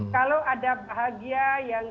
kalau ada bahagia yang